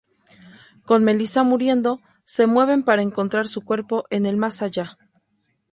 Con Melissa muriendo, se mueven para encontrar su cuerpo en El más allá.